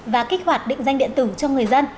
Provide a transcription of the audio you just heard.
và kích hoạt định danh điện tử cho người dân